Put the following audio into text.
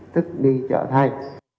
tích đi chợ thay